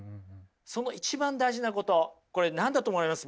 その一番大事なことこれ何だと思われます？